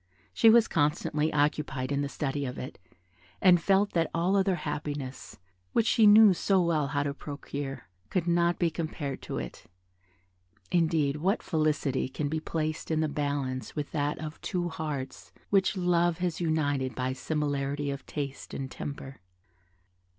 She was constantly occupied in the study of it, and felt that all other happiness, which she knew so well how to procure, could not be compared to it; indeed, what felicity can be placed in the balance with that of two hearts which love has united by similarity of taste and temper?